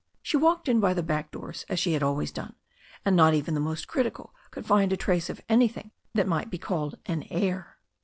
She walked in by the back doors as she had always done, and not even the most critical could find a trace of anything that might be called an "air."